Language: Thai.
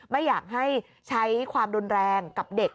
ไม่อยากให้ใช้ความรุนแรงกับเด็ก